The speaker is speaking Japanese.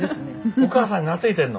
お母さんに懐いてんの？